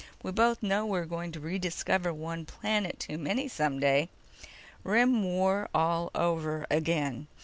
"We both know we're going to rediscover one planet too many some day. Rim War all over again.